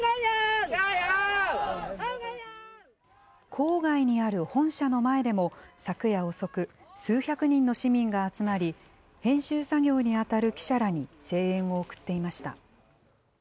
郊外にある本社の前でも、昨夜遅く、数百人の市民が集まり、編集作業に当たる記者らに声援を送っていました。